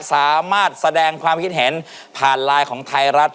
สามารถแสดงความคิดเห็นผ่านไลน์ของไทยรัฐ